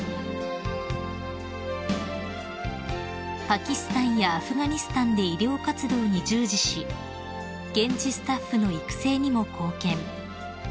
［パキスタンやアフガニスタンで医療活動に従事し現地スタッフの育成にも貢献］